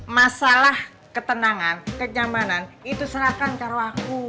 masalah ketenangan kenyamanan itu silahkan karo aku